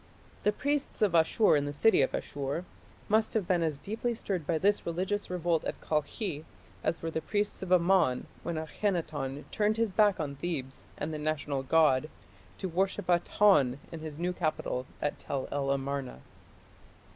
The priests of Ashur in the city of Asshur must have been as deeply stirred by this religious revolt at Kalkhi as were the priests of Amon when Akhenaton turned his back on Thebes and the national god to worship Aton in his new capital at Tell el Amarna.